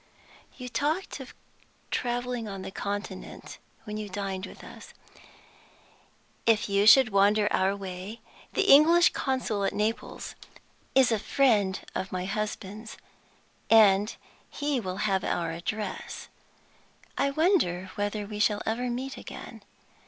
"You talked of traveling on the Continent when you dined with us. If you should wander our way, the English consul at Naples is a friend of my husband's, and he will have our address. I wonder whether we shall ever meet again?